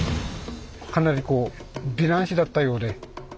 かなりこう美男子だったようで。